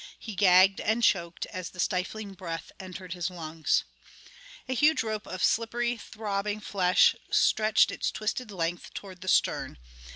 He gagged and choked as the stifling breath entered his lungs. A huge rope of slippery, throbbing flesh stretched its twisted length toward the stern.